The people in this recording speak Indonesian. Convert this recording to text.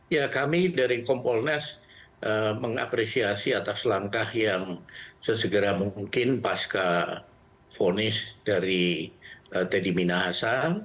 ya kami dari kompolnas mengapresiasi atas langkah yang sesegera mungkin pasca vonis dari teddy minahasa